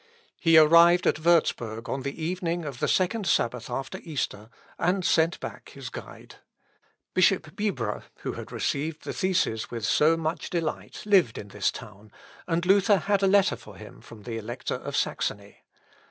He arrived at Wurzburg on the evening of the second Sabbath after Easter, and sent back his guide. Bishop Bibra, who had received the theses with so much delight, lived in this town, and Luther had a letter for him from the Elector of Saxony.